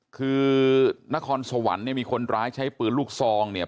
คือนครสวรรค์เนี่ยมีคนร้ายใช้ปืนลูกซองเนี่ย